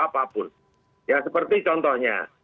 apapun ya seperti contohnya